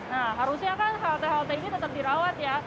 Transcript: nah harusnya kan halte halte ini tetap dirawat ya